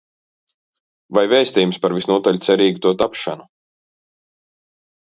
Vai vēstījums par visnotaļ cerīgu to tapšanu.